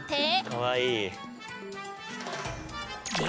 かわいい。